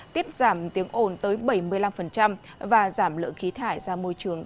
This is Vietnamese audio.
tiết giảm tiếng ồn tới bảy mươi năm và giảm lượng khí thải ra môi trường tới năm mươi